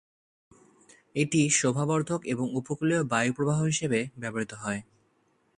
এটি শোভাবর্ধক এবং উপকূলীয় বায়ুপ্রবাহ হিসাবে ব্যবহৃত হয়।